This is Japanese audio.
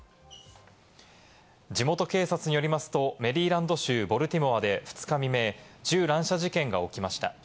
地元警察によりますと、メリーランド州ボルティモアで２日未明、銃乱射事件が起きました。